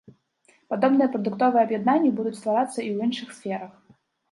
Падобныя прадуктовыя аб'яднанні будуць стварацца і ў іншых сферах.